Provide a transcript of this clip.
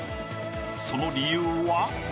その理由は？